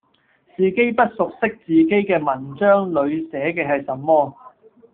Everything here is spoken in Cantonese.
自己不悉自己嘅文章裡寫嘅係什麼